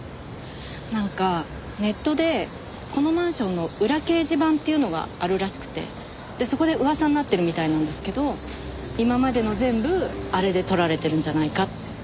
なんかネットでこのマンションの裏掲示板っていうのがあるらしくてそこで噂になってるみたいなんですけど今までの全部あれで撮られてるんじゃないかって。